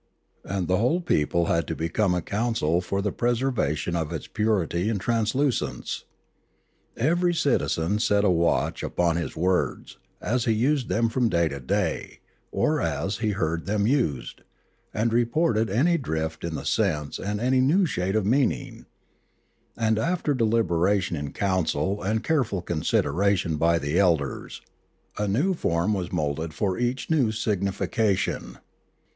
And the whole people had to become a council for the preservation of its purity and translucence. Every citizen set a watch upon his 4*o Limanora words, as he used them from day to day or as he heard them used, and reported any drift in the sense and any new shade of meaning ; and after deliberation in council and careful consideration by the elders a new form was moulded for each new signification.